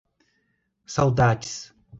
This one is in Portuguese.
Saudades